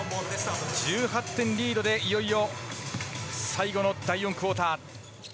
１８点リードでいよいよ最後の第４クオーター。